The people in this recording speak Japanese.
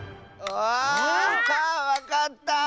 あわかった！